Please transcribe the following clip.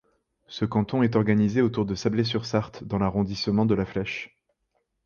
Ce canton est organisé autour de Sablé-sur-Sarthe dans l'arrondissement de la Flèche.